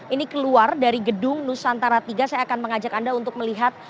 ini keluar dari gedung nusantara tiga saya akan mengajak anda untuk melihat